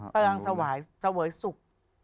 ไปล้างสวายเสวยสุก